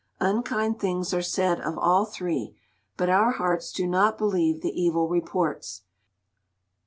Unkind things are said of all three, but our hearts do not believe the evil reports.